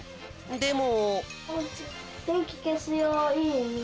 でも。